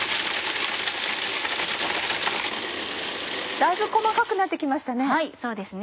だいぶ細かくなって来ましたね。